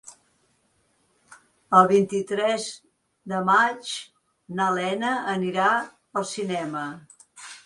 El vint-i-tres de maig na Lena anirà al cinema.